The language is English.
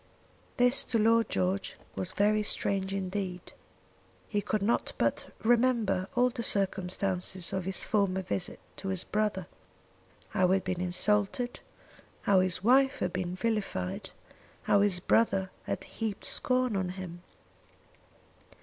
This to Lord George was very strange indeed. He could not but remember all the circumstances of his former visit to his brother, how he had been insulted, how his wife had been vilified, how his brother had heaped scorn on him.